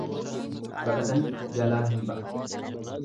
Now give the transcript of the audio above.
Baqatanif jalaa hin ba'an.